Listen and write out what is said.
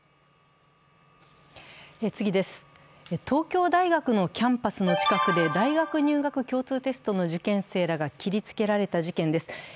東京大学のキャンパスの近くで大学入学共通テストの受験生らが切りつけられた事件です。